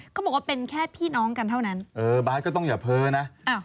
เขาบอกว่าเป็นแค่พี่น้องกันเท่านั้นเออบาร์ดก็ต้องอย่าเพ้อนะ